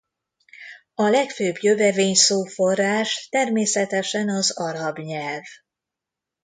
A legfőbb jövevényszó-forrás természetesen az arab nyelv.